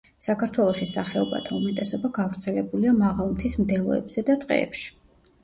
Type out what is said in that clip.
საქართველოში სახეობათა უმეტესობა გავრცელებულია მაღალმთის მდელოებზე და ტყეებში.